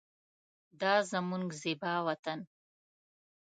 دا زمونږ زیبا وطن